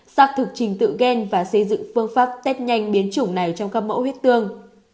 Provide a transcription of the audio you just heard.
xác thực trình tự gen và xây dựng phương pháp test nhanh biến chủng này trong các mẫu huyết tương